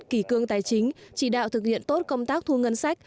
kỳ cương tài chính chỉ đạo thực hiện tốt công tác thu ngân sách